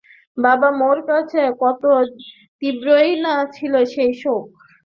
বাবা-মোর কাছে কত তীব্রই না ছিল সেই শোক!